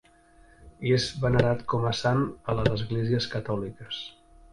És venerat com a sant a les esglésies catòliques.